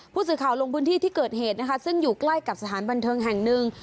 ผู้สื่อข่าวลงพื้นที่ที่เกิดเหตุนะคะซึ่งอยู่ใกล้กับสถานบันเทิงแห่งหนึ่ง